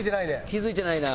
気付いてないな。